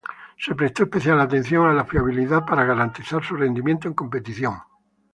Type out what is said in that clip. Se prestó especial atención a la fiabilidad para garantizar su rendimiento en competición.